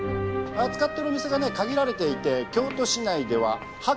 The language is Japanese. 扱っているお店がね限られていて京都市内では８軒だけですね。